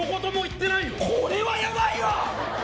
これはやばいわ！